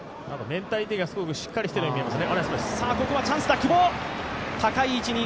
メンタリティーがしっかりしてるように見えます。